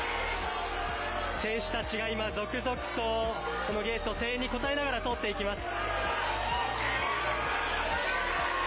選手たちが今、続々とこの声援に応えながら通っていきます。